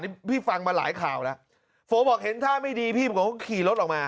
นี่พี่ฟังมาหลายข่าวแล้วโฟบอกเห็นท่าไม่ดีพี่ผมก็ขี่รถออกมา